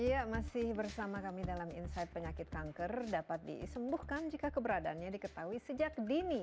iya masih bersama kami dalam insight penyakit kanker dapat disembuhkan jika keberadaannya diketahui sejak dini